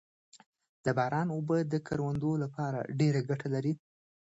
د باران اوبه د کروندو لپاره ډېره ګټه لري